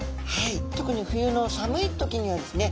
特に冬の寒い時にはですね